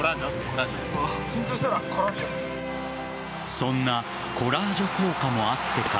そんなコラージョ効果もあってか。